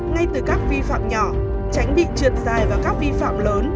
ngay từ các vi phạm nhỏ tránh bị trượt dài vào các vi phạm lớn